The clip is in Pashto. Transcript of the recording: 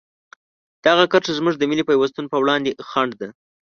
دغه کرښه زموږ د ملي پیوستون په وړاندې خنډ ده.